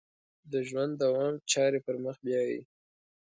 د ژوند دوام چارې پر مخ بیایي.